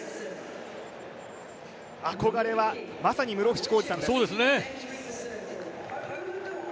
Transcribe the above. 憧れはまさに室伏広治さんです。